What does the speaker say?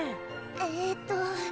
ええっと